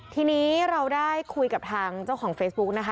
ทีนี้เราได้คุยกับทางเจ้าของเฟซบุ๊กนะคะ